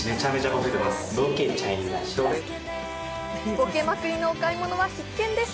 ボケまくりのお買い物は必見です。